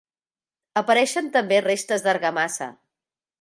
Apareixen també restes d'argamassa.